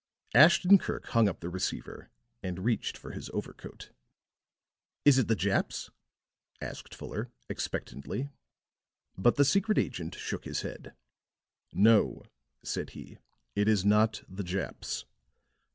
Ashton Kirk hung up the receiver, and reached for his overcoat. "Is it the Japs?" asked Fuller, expectantly. But the secret agent shook his head. "No," said he, "it is not the Japs.